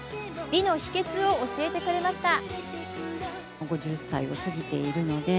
美の秘けつを教えてくれました。